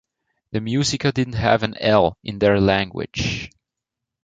The Muisca didn't have an "L" in their language.